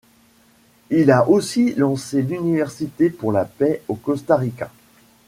Il a aussi lancé l'Université pour la Paix au Costa Rica.